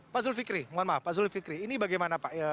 pak zulfikri ini bagaimana pak